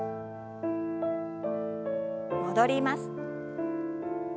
戻ります。